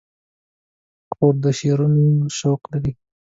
خور د شعرونو سره شوق لري.